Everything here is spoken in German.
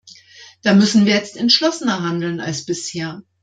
Da müssen wir jetzt entschlossener handeln als bisher!